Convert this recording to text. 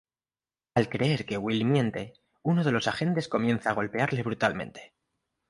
Al creer que Will miente, uno de los agentes comienza a golpearle brutalmente.